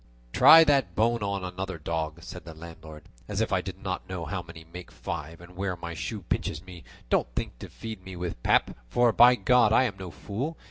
"Try that bone on another dog," said the landlord; "as if I did not know how many make five, and where my shoe pinches me; don't think to feed me with pap, for by God I am no fool.